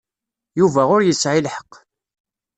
Yuba ur yesɛi lḥeqq.